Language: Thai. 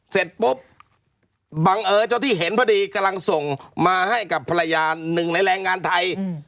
เสร็จปุ๊บบังเอิญเจ้าที่เห็นพอดีกำลังส่งมาให้กับภรรยาหนึ่งในแรงงานไทย